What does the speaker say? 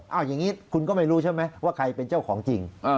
เอาอย่างนี้คุณก็ไม่รู้ใช่ไหมว่าใครเป็นเจ้าของจริง